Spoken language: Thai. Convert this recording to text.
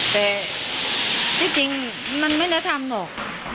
แต่ที่จริงมันไม่ได้ทำหรอก